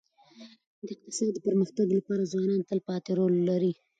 د اقتصاد د پرمختګ لپاره ځوانان تلپاتي رول لري.